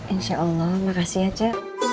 insyaallah makasih aja